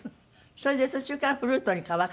それで途中からフルートに変わった。